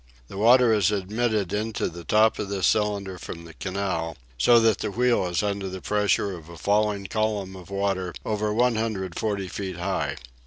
The water is admitted into the top of this cylinder from the canal, so that the wheel is under the pressure of a falling column of water over 140 feet high.